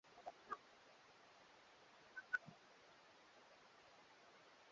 usaidizi wa ada za shule na mitaji ya biashara sanjari na matibabu kwa mwanaukoo